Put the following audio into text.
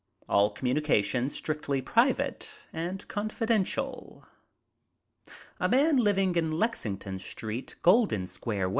All communications strictly private and confidential." A man living in Lexington Street, Goldensquare, W.